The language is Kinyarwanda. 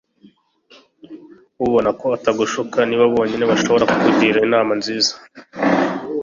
ubona ko atagushuka. ni bo bonyine bashobora kukugira inama nziza